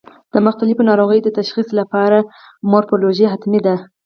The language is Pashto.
د مختلفو ناروغیو د تشخیص لپاره مورفولوژي حتمي ده.